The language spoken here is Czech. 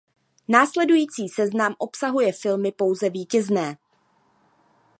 Následující seznam obsahuje filmy pouze vítězné.